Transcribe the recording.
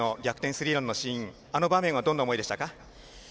スリーランのシーンあの場面はどんな思いでしたか？